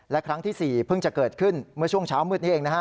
และครั้งที่๔เพิ่งจะเกิดขึ้นเมื่อช่วงเช้ามืดนี้เองนะฮะ